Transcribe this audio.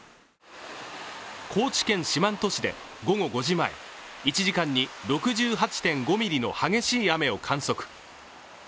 高知県四万十市で午後５時前１時間に６８．５ミリの激しい雨を観測。